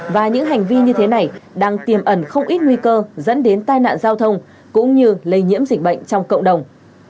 và những hành vi như thế này đang tiềm ẩn không ít nguy cơ dẫn đến tai nạn giao thông cũng như lây nhiễm dịch bệnh trong cộng đồng